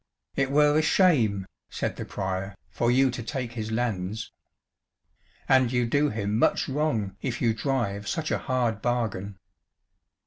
"It were a shame," said the Prior, "for you to take his lands. And you do him much wrong if you drive such a hard bargain."